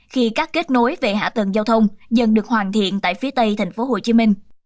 khi các kết nối về hạ tầng giao thông dần được hoàn thiện tại phía tây tp hcm